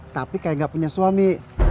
tapi kayak gak punya suami